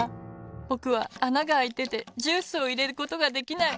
ぼくはあながあいててジュースをいれることができない。